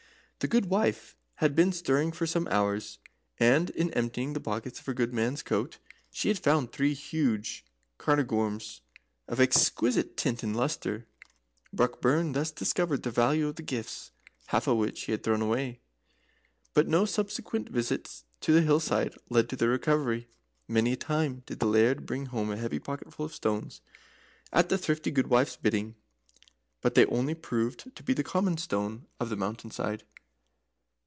The good wife had been stirring for some hours, and in emptying the pockets of her good man's coat she had found three huge cairngorms of exquisite tint and lustre. Brockburn thus discovered the value of the gifts, half of which he had thrown away. But no subsequent visits to the hill side led to their recovery. Many a time did the Laird bring home a heavy pocketful of stones, at the thrifty gudewife's bidding, but they only proved to be the common stones of the mountain side.